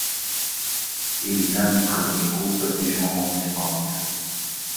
Il est l'un des premiers groupes du genre en Espagne.